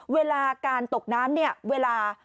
เวลาการตกน้ำเนี่ยเวลา